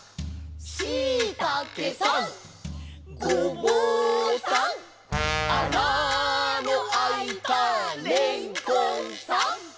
「しいたけさんごぼうさん」「あなのあいたれんこんさん」